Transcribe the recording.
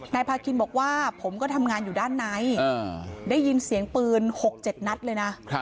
พาคินบอกว่าผมก็ทำงานอยู่ด้านในได้ยินเสียงปืน๖๗นัดเลยนะ